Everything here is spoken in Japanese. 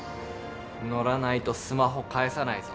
乗らないとスマホ返さないぞ。